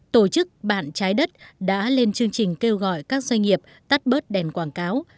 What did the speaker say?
tổ chức bạn trái đất đã lên chương trình kêu gọi các doanh nghiệp tắt bớt đèn quảng cáo